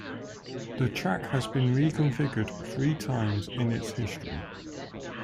The track has been re-configured three times in its history.